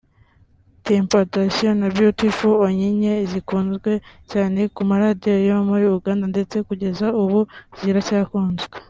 Temptation na Beautiful Onyinye zikunzwe cyane ku maradiyo yo muri Uganda ndetse kugeza ubu ziracyakunzwe